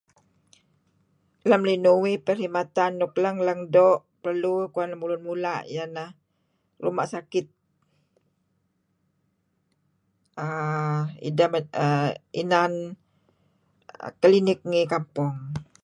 lam linuh uih perhimatan nuk lang lang do perlu kuan lamulun mulah iyah nah , rumah sakit [aah]idah[aah]inan [aah]klinik ngi kampung